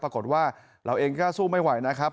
ปรากฏว่าเราเองก็สู้ไม่ไหวนะครับ